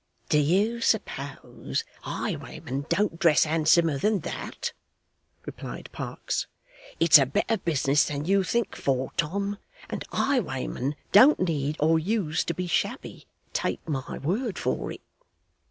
'Do you suppose highwaymen don't dress handsomer than that?' replied Parkes. 'It's a better business than you think for, Tom, and highwaymen don't need or use to be shabby, take my word for it.